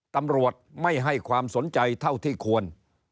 ตำรวจไม่ให้ความสนใจเท่าที่ควร